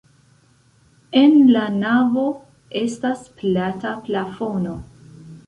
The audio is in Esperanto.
En la navo estas plata plafono.